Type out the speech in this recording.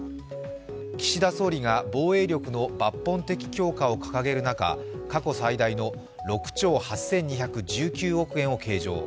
岸田総理が防衛力の抜本的強化を掲げる中、過去最大の６兆８２１９億円を計上。